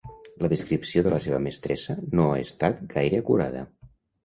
La descripció de la seva mestressa no ha estat gaire acurada.